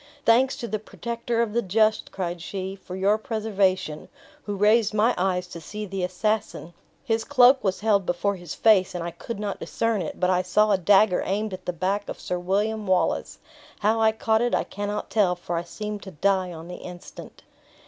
"Thanks to the Protector of the just," cried she, "for your preservation! Who raised my eyes to see the assassin! His cloak was held before his face, and I could not discern it; but I saw a dagger aimed at the bank of Sir William Wallace! How I caught it I cannot tell, for I seemed to die on the instant."